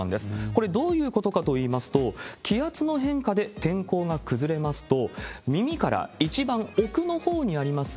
これ、どういうことかといいますと、気圧の変化で天候が崩れますと、耳から一番奥のほうにあります